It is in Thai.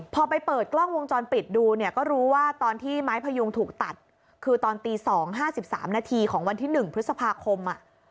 พอไปเปิดกล้องวงจรปิดดูเนี่ยก็รู้ว่าตอนที่ไม้พยุงถูกตัดคือตอนตี๒๕๓นาทีของวันที่๑พฤษภาคม